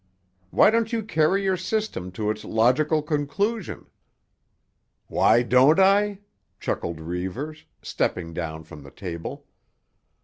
Why don't you carry your system to its logical conclusion?" "Why don't I?" chuckled Reivers, stepping down from the table.